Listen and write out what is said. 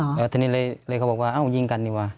แล้วทีนี้เลยเขาบอกว่าเอ้ายิงกันดีกว่า